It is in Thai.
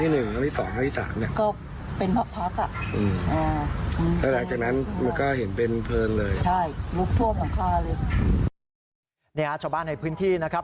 นี่ฮะชาวบ้านในพื้นที่นะครับ